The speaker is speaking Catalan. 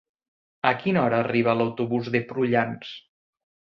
A quina hora arriba l'autobús de Prullans?